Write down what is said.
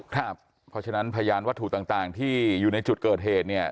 เพราะฉะนั้นพยานวัตถุต่างที่อยู่ในจุดเกิดเหตุเนี่ย